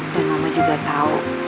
dan mama juga tahu